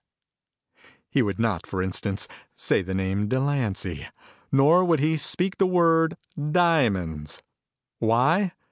He would not, for instance, say the name 'Delancy,' nor would he speak the word 'diamonds.' Why?